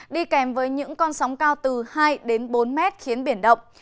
đi kèm với những con sóng cao từ hai đến bốn mét khiến biển động